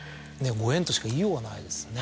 ご縁としか言いようがないですよね。